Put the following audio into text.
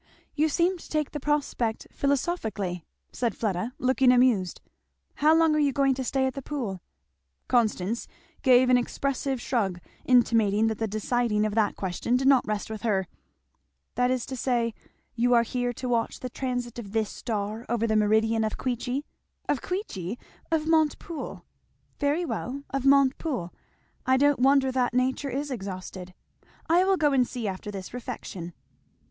"You seem to take the prospect philosophically," said Fleda, looking amused. "How long are you going to stay at the Pool?" Constance gave an expressive shrug, intimating that the deciding of that question did not rest with her. "That is to say, you are here to watch the transit of this star over the meridian of Queechy?" "Of Queechy! of Montepoole." "Very well of Montepoole. I don't wonder that nature is exhausted. I will go and see after this refection."